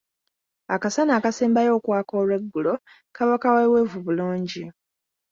Akasana akasembayo okwaka olw’eggulo kaba kaweeweevu bulungi.